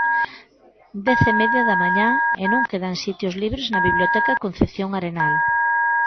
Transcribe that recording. Dez e media da mañá e non quedan sitios libres na Biblioteca Concepción Arenal.